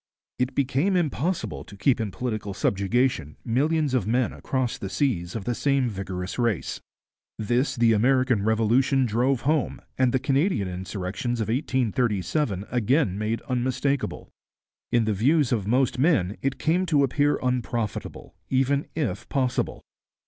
It became impossible to keep in political subjection millions of men across the seas of the same vigorous race. This the American Revolution drove home and the Canadian insurrections of 1837 again made unmistakable. In the views of most men it came to appear unprofitable, even if possible.